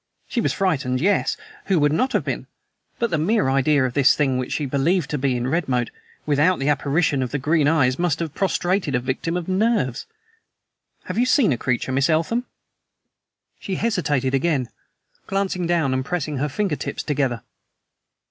She was frightened; yes, who would not have been? But the mere idea of this thing which she believed to be in Redmoat, without the apparition of the green eyes, must have prostrated a victim of "nerves." "Have you seen such a creature, Miss Eltham?" She hesitated again, glancing down and pressing her finger tips together.